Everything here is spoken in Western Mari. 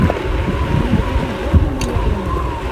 Тӹнь вӹдетӹм вӹр доно яренӓт